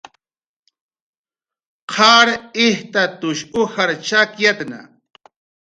Qar ijtatush ujar chakyatna